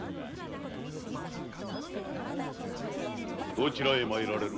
どちらへ参られる？